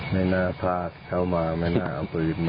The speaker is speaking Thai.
ไม่น่าพลาดเข้ามาไม่น่าเอาปืนมา